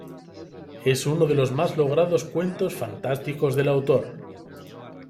Es uno de los más logrados cuentos fantásticos del autor.